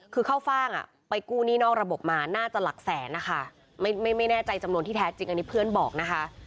คือเข้าฟ่างไปกู้หนี้นอกระบบมาน่าจะหลักแสนนะคะไม่แน่ใจจำนวนที่แท้จริงอันนี้เพื่อนบอกนะคะ